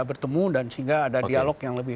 bertemu dan sehingga ada dialog yang lebih